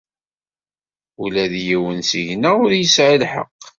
Ula d yiwen seg-neɣ ur yesɛi lḥeqq.